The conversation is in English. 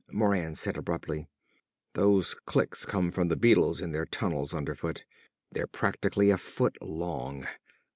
Moran said abruptly; "Those clicks come from the beetles in their tunnels underfoot. They're practically a foot long.